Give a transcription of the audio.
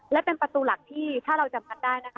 และเป็นประตูหลักที่ถ้าเราจำกัดได้นะคะ